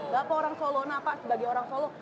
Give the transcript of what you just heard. bapak orang solona pak sebagai orang solo